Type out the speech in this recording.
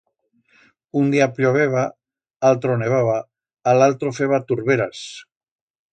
Un día plloveba, altro nevaba, a l'altro feba turberas...